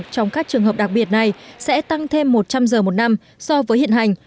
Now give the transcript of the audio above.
trong các trường hợp đặc biệt này sẽ tăng thêm một trăm linh giờ một năm so với hiện hành